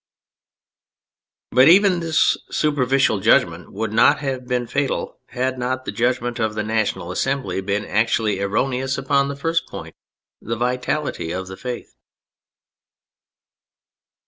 But even this superficial judgment would not have been fatal, had not the judgment of the National Assembly been actually erroneous upon the first point — the vitality of the Faith.